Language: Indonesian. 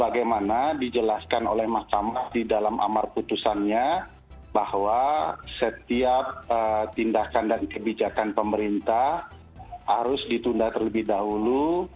bagaimana dijelaskan oleh mahkamah di dalam amar putusannya bahwa setiap tindakan dan kebijakan pemerintah harus ditunda terlebih dahulu